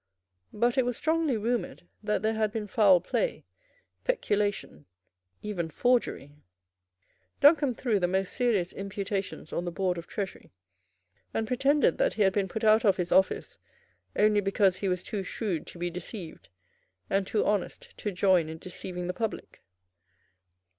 But it was strongly rumoured that there had been foul play, peculation, even forgery. Duncombe threw the most serious imputations on the Board of Treasury, and pretended that he had been put out of his office only because he was too shrewd to be deceived, and too honest to join in deceiving the public.